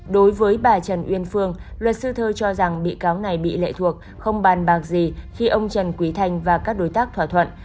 đối với bà trần uyên phương luật sư thơ cho rằng bị cáo này bị lệ thuộc không bàn bạc gì khi ông trần quý thanh và các đối tác thỏa thuận